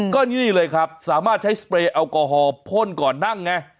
ก็นี่เลยครับสามารถใช้สเปรย์แอลกอฮอล์พ่นก่อนนั่งไง